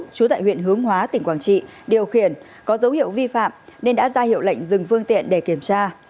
chú tại huyện hướng hóa tỉnh quảng trị điều khiển có dấu hiệu vi phạm nên đã ra hiệu lệnh dừng phương tiện để kiểm tra